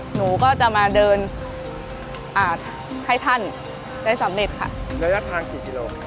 หนูก็จะมาเดินอ่าให้ท่านได้สำเร็จค่ะระยะทางกี่กิโล